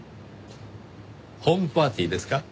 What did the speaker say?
ホームパーティーですか？